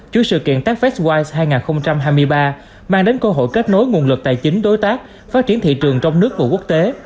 chuỗi sự kiện techfestwise hai nghìn hai mươi ba mang đến cơ hội kết nối nguồn lực tài chính đối tác phát triển thị trường trong nước và quốc tế